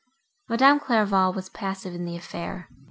Madame Clairval was passive in the affair.